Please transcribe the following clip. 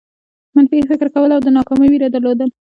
منفي فکر کول او د ناکامۍ وېره درلودل.